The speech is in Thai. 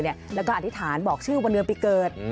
แล้วก็อธิษฐานบอกชื่อวันเดือนปีเกิด